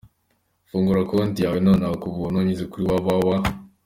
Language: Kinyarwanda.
Fungura konti yawe nonaha kubuntu , unyuze kuri www.